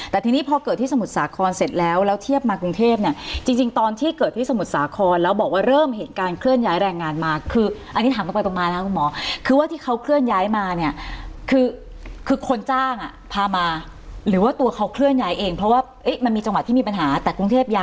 แต่ทีนี้พอเกิดที่สมุทรสาครเสร็จแล้วแล้วเทียบมากรุงเทพเนี่ยจริงตอนที่เกิดที่สมุทรสาครแล้วบอกว่าเริ่มเห็นการเคลื่อนย้ายแรงงานมาคืออันนี้ถามตรงไปตรงมานะคุณหมอคือว่าที่เขาเคลื่อนย้ายมาเนี่ยคือคือคนจ้างอ่ะพามาหรือว่าตัวเขาเคลื่อนย้ายเองเพราะว่ามันมีจังหวัดที่มีปัญหาแต่กรุงเทพย้าย